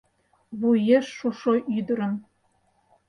Вуешшушо ӱдырым